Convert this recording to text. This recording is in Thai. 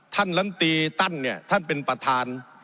ลำตีตั้นเนี่ยท่านเป็นประธาน